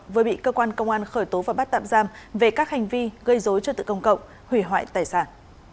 vừa bị cơ quan công an khởi tố và bắt tạm giam về các hành vi gây dối trật tự công cộng hủy hoại tài sản